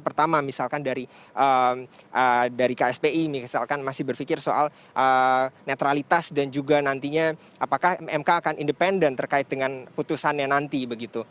pertama misalkan dari kspi misalkan masih berpikir soal netralitas dan juga nantinya apakah mk akan independen terkait dengan putusannya nanti begitu